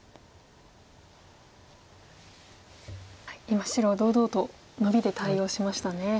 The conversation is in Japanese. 今白は堂々とノビで対応しましたね。